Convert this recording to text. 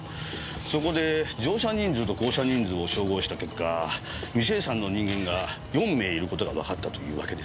そこで乗車人数と降車人数を照合した結果未清算の人間が４名いる事がわかったというわけです。